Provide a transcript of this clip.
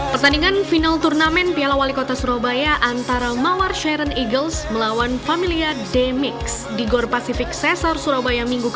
pertandingan final turnamen piala wali kota surabaya antara mawar sharon eagles melawan familia the mix di gor pasifik sesar surabaya minggu ke tiga